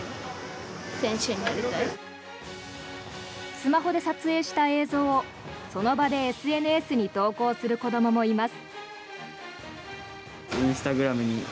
スマホで撮影した映像をその場でＳＮＳに投稿する子どももいます。